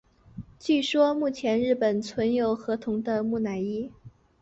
据说目前日本存有河童的木乃伊。